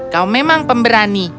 kau memang pemberani